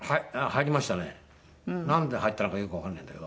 なんで入ったのかよくわかんないんだけど。